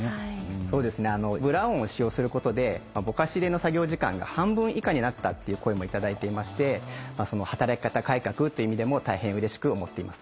そうですね「ＢｌｕｒＯｎ」を使用することでぼかし入れの作業時間が半分以下になったっていう声も頂いていまして働き方改革っていう意味でも大変うれしく思っています。